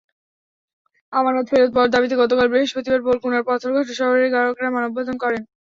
আমানত ফেরত পাওয়ার দাবিতে গতকাল বৃহস্পতিবার বরগুনার পাথরঘাটা শহরে গ্রাহকেরা মানববন্ধন করেন।